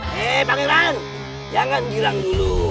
he pangeran jangan girang dulu